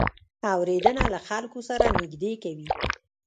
اورېدنه له خلکو سره نږدې کوي.